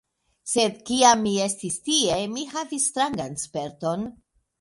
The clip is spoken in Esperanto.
Sed, kiam mi estis tie, mi havis strangan sperton: